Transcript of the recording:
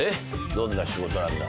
どんな仕事なんだ？